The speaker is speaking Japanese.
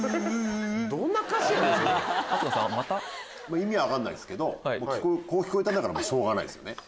意味分かんないっすけどこう聞こえたからしょうがないっすよね。